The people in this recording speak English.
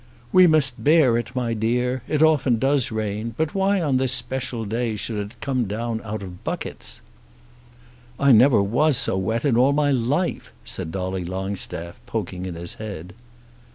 "We must bear it, my dear. It often does rain, but why on this special day should it come down out of buckets?" "I never was so wet in all my life," said Dolly Longstaff, poking in his head.